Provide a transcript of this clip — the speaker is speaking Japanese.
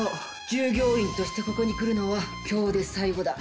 従業員としてここに来るのは今日で最後だ。